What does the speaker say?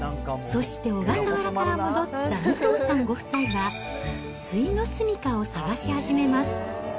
そして小笠原から戻った武藤さんご夫妻は、ついの住みかを探し始めます。